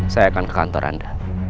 saya akan ke kantor anda